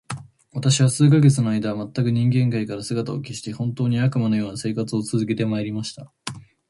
私は数ヶ月の間、全く人間界から姿を隠して、本当に、悪魔の様な生活を続けて参りました。